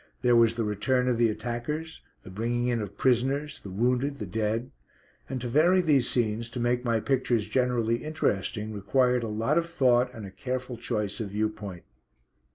There was the return of the attackers; the bringing in of prisoners, the wounded, the dead; and to vary these scenes to make my pictures generally interesting required a lot of thought and a careful choice of view point.